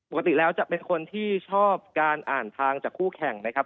ปกติแล้วจะเป็นคนที่ชอบการอ่านทางจากคู่แข่งนะครับ